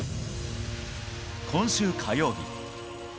今週火曜日。